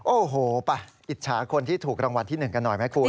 โอ้โหไปอิจฉาคนที่ถูกรางวัลที่๑กันหน่อยไหมคุณ